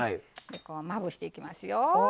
まぶしていきますよ。